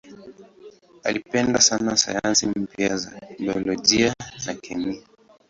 Alipenda sana sayansi mpya za biolojia na kemia.